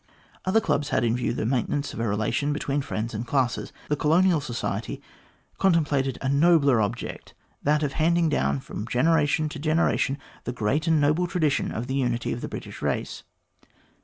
Other clubs had in view the maintenance of a relation between friends and classes. The Colonial Society contemplated a nobler object, that of handing down from generation to genera tion the great and noble tradition of the unity of the British race.